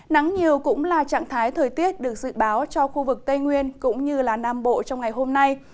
nắng nhiều cũng là trạng thái thời tiết được dự báo cho khu vực tây nguyên cũng như nam bộ trong ngày hôm nay